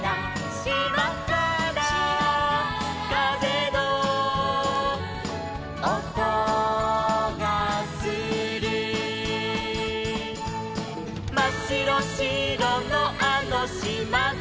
「しまからかぜのおとがする」「まっしろしろのあのしまで」